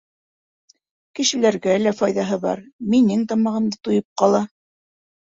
Кешеләргә лә файҙаһы бар, минең тамағым да туйып ҡала.